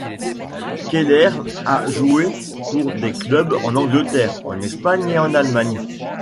Keller a joué pour des clubs en Angleterre, en Espagne et en Allemagne.